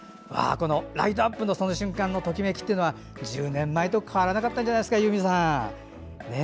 このライトアップの瞬間のときめきは１０年前と変わらなかったんじゃないですかゆうみさん。